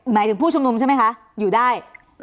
หมายถึงผู้ชุมนุมใช่ไหมคะอยู่ได้